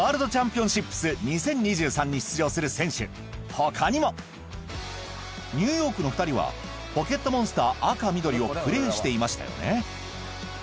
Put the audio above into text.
他にもニューヨークの２人は『ポケットモンスター』赤緑をプレーしていましたよね